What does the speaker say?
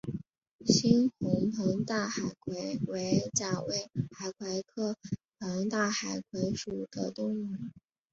猩红膨大海葵为甲胄海葵科膨大海葵属的动物。